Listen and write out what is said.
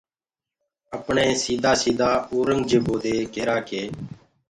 اپڻيٚ سيٚدآ سيٚدآ اورنٚگجيبو دي ڪيٚرآ ڪي